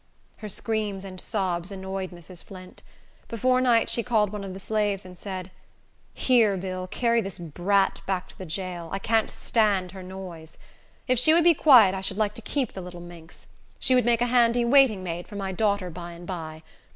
Her screams and sobs annoyed Mrs. Flint. Before night she called one of the slaves, and said, "Here, Bill, carry this brat back to the jail. I can't stand her noise. If she would be quiet I should like to keep the little minx. She would make a handy waiting maid for my daughter by and by.